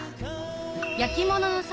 焼き物の里